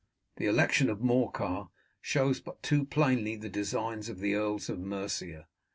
The election of Morcar shows but too plainly the designs of the earls of Mercia.